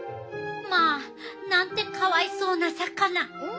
まあなんてかわいそうな魚。